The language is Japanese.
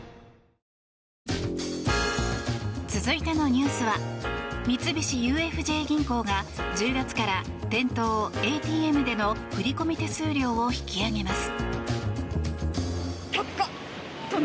続いてのニュースは三菱ＵＦＪ銀行が１０月から店頭、ＡＴＭでの振込手数料を引き上げます。